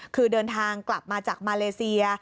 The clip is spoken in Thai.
คือเดินทางกลับมาจากมาเลเซีย